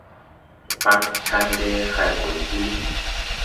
Paŋ kandɛ hay go de huuli.